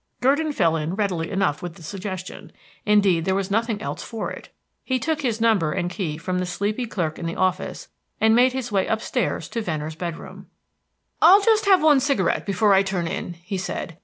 Gurdon fell in readily enough with the suggestion. Indeed, there was nothing else for it. He took his number and key from the sleepy clerk in the office, and made his way upstairs to Venner's bedroom. "I'll just have one cigarette before I turn in," he said.